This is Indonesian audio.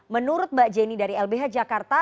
menurut mbak jenny dari lbh jakarta